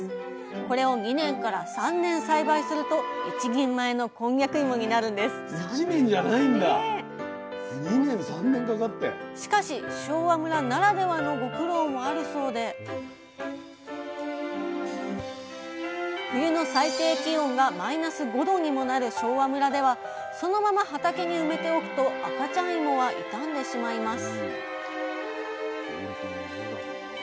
これを２年から３年栽培すると一人前のこんにゃく芋になるんですしかし昭和村ならではのご苦労もあるそうで冬の最低気温がマイナス５℃にもなる昭和村ではそのまま畑に埋めておくと赤ちゃん芋は傷んでしまいます